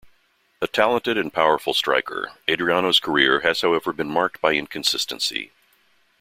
A talented and powerful striker, Adriano's career has however been marked by inconsistency.